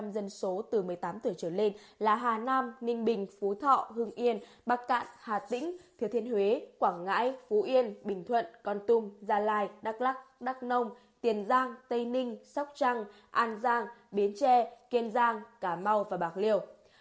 một mươi dân số từ một mươi tám tuổi trở lên là hà nam ninh bình phú thọ hưng yên bắc cạn hà tĩnh thừa thiên huế quảng ngãi phú yên bình thuận con tum gia lai đắk lắc đắk nông tiền giang tây ninh sóc trăng an giang biến tre kiên giang cà mau và bạc liêu